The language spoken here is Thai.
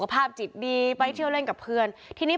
ไม่เอาไม่ยอมเป็นคนมี